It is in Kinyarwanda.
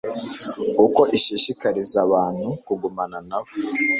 uko ishishikariza abantu kugumana n'abo